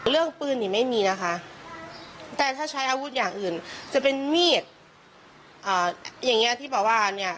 เรื่องปืนนี่ไม่มีนะคะแต่ถ้าใช้อาวุธอย่างอื่นจะเป็นมีดอย่างเงี้ที่บอกว่าเนี่ย